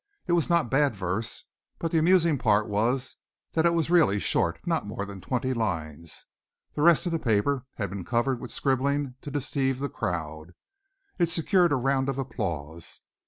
It was not bad verse, but the amusing part was that it was really short, not more than twenty lines. The rest of the paper had been covered with scribbling to deceive the crowd. It secured a round of applause.